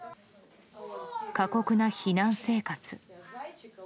過酷な避難生活。